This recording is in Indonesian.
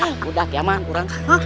mudah ya man kurang kalah